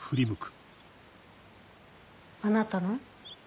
あなたの？